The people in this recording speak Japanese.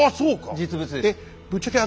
実物です。